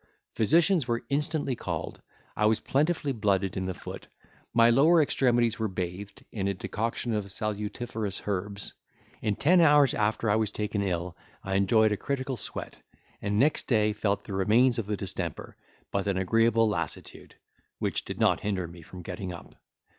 Physicians were instantly called, I was plentifully blooded in the foot, my lower extremities were bathed in a decoction of salutiferous herbs: in ten hours after I was taken ill I enjoyed a critical sweat, and next day felt the remains of the distemper, but an agreeable lassitude, which did not hinder me from getting up.